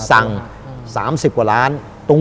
สั่ง๓๐กว่าล้าน